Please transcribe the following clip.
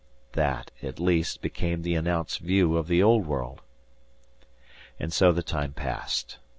That, at least, became the announced view of the Old World. And so the time passed.